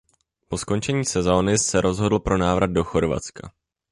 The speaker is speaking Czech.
Po skončení sezony se rozhodl pro návrat do Chorvatska.